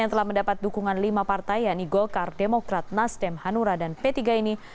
yang diperlukan oleh partai yang igolkar demokrat nasden hanura dan p tiga ini